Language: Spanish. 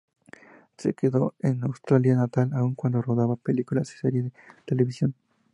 Se quedó en su Australia natal aun cuando rodaba películas y series de televisión.